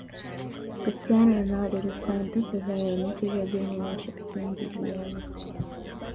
Cristiano Ronaldo dos Santos Aveiro ni mchezaji mwenye mashabiki wengi duniani